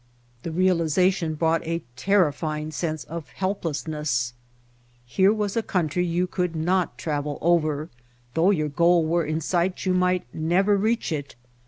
The realiza tion brought a terrifying sense of helplessness. The White Heart Here was a country you could not travel over: though your goal were in sight you might never reach it.